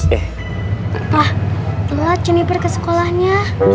bapak telat juniper ke sekolahnya